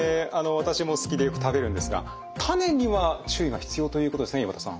私も好きでよく食べるんですが種には注意が必要ということですね岩田さん。